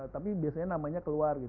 tapi biasanya namanya keluar